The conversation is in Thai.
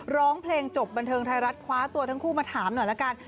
ร้องเพลงจบบันเทิงไทยรัฐคว้าตัวทั้งคู่มาถามหน่อยละกัน